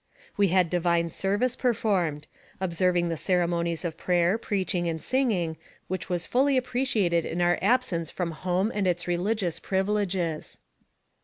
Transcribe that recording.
"We had divine service performed, observing the ceremonies of prayer, preaching, and singing, which was fully appreciated in our absence from home and its religious privileges.